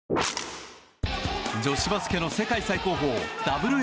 女子バスケの世界最高峰ＷＮＢＡ。